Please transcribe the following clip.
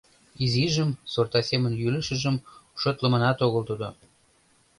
Изижым, сорта семын йӱлышыжым, шотлыманат огыл тудо.